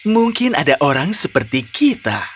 mungkin ada orang seperti kita